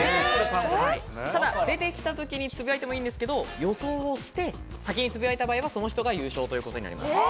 ただ出てきたときにつぶやいてもいいんですけど、予想をして先につぶやいた場合は、その人が優勝ということになります。